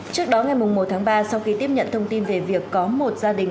trước đó ngày một tháng ba sau khi tiếp nhận thông tin về việc có một gia đình